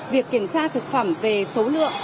việc kiểm tra thực phẩm về số lượng